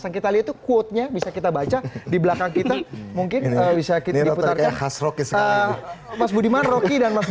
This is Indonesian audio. sekali itu quote nya bisa kita baca di belakang kita mungkin bisa kita putar khas roki roki dan